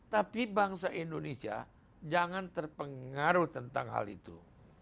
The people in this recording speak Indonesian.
tapi bangsa indonesia jangan terpengaruh tentang hal itu